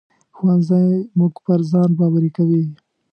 ښوونځی موږ پر ځان باوري کوي